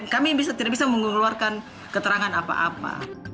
kami tidak bisa mengeluarkan keterangan apa apa